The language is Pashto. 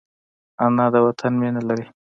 انا د وطن مینه لري